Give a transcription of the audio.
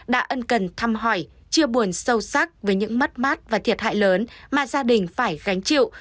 đã ân cần thăm hỏi chia buồn sâu sắc về những mất mát và thiệt hại lớn mà gia đình phải gánh chịu